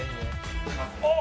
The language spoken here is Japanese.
あっ！